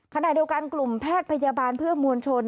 ขณะเดียวกันกลุ่มแพทย์พยาบาลเพื่อมวลชน